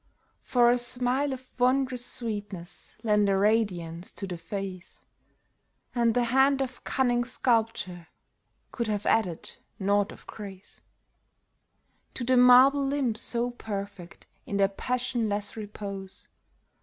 For a smile of wondrous sweetness lent a radiance to the face, And the hand of cunning sculptor could have added naught of grace To the marble limbs so perfect in their passionless repose.